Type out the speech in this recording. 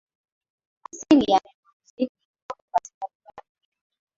Asili ya neno muziki liko katika lugha ya Kigiriki